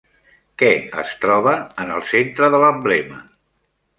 Què es troba en el centre de l'emblema?